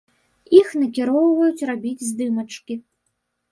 Іх накіроўваюць рабіць здымачкі.